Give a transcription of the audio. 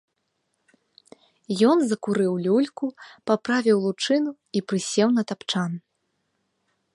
Ён закурыў люльку, паправіў лучыну і прысеў на тапчан.